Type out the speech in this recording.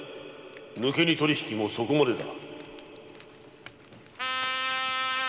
抜け荷取り引きもそこまでだ。